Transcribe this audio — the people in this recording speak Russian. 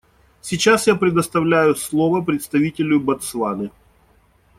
Сейчас я предоставляю слово представителю Ботсваны.